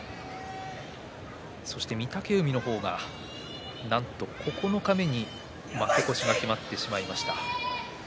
御嶽海の方が、なんと九日目に負け越しが決まってしまいました。